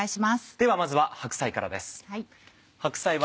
ではまずは白菜からです。